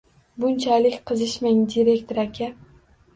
Bunchalik qizishmang, direktor aka